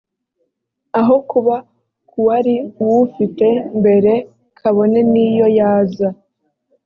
aho kuba k uwari uwufite mbere kabone n iyo yaza